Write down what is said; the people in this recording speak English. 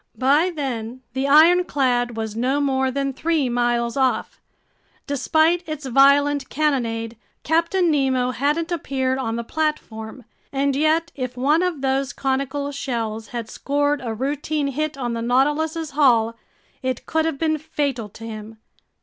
By then the ironclad was no more than three miles off. Despite its violent cannonade, Captain Nemo hadn't appeared on the platform. And yet if one of those conical shells had scored a routine hit on the Nautilus's hull, it could have been fatal to him.